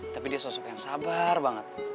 tapi dia sosok yang sabar banget